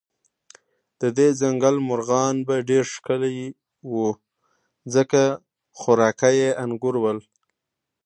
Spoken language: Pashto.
د دې ځنګل مرغان به ډېر ښکلي و، ځکه خوراکه یې انګور ول.